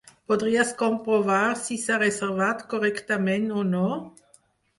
Podries comprovar si s'ha reservat correctament o no?